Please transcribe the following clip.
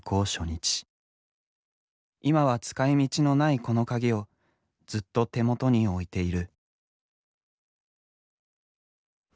今は使いみちのないこの鍵をずっと手元に置いている。